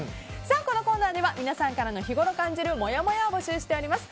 このコーナーでは皆さんからの日頃感じるもやもやを募集しております。